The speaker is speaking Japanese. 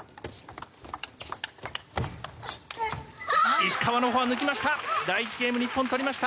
石川のフォア抜きました。